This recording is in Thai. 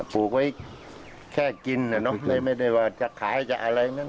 ปลูกไว้แค่กินไม่ได้ว่าจะขายหรืออะไร